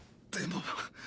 でも！！